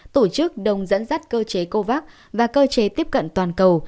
tổ chức đồng dẫn dắt cơ chế covax và cơ chế tiếp cận toàn cầu